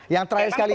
yang terakhir sekali